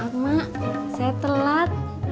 maaf mak saya telat